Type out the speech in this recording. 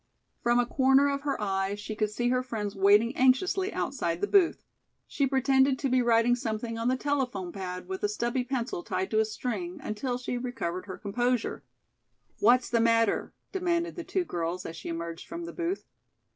From a corner of her eye, she could see her friends waiting anxiously outside the booth. She pretended to be writing something on the telephone pad with a stubby pencil tied to a string, until she recovered her composure. "What's the matter?" demanded the two girls as she emerged from the booth.